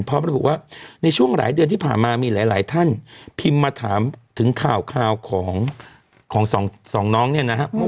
พร้อมระบุว่าในช่วงหลายเดือนที่ผ่านมามีหลายท่านพิมพ์มาถามถึงข่าวของสองน้องเนี่ยนะครับ